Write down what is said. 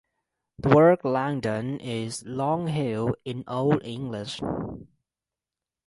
The word 'Langdon' is "long hill" in Old English.